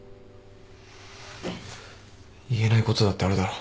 言えないことだってあるだろ。